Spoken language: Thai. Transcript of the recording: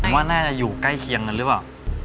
ผมว่าน่าจะอยู่ใกล้เคียงกันหรือเปล่า